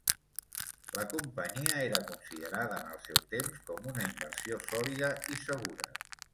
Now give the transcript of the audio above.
La Companyia era considerada en el seu temps com una inversió sòlida i segura.